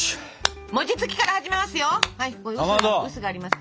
餅つきから始めますよ。